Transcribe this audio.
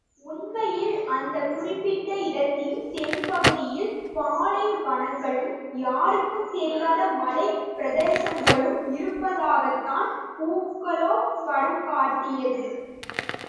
உண்மையில் அந்தக் குறிப்பிட்ட இடத்தின் தென்பகுதியில், பாலைவனங்களும், யாருக்கும் தெரியாத மலைப்பிரதேசங்களும் இருப்பதாகத்தான் பூகோளப் படம் காட்டியது.